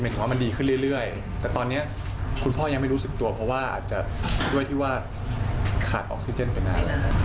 มันดีขึ้นเรื่อยแต่ตอนนี้คุณพ่อยังไม่รู้สึกตัวเขาอาจจะแค่หาดออกซิเจนไปนาน